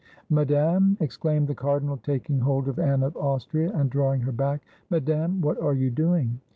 "Madame!" exclaimed the cardinal, taking hold of Anne of Austria and drawing her back, — "Madame, what are you doing?"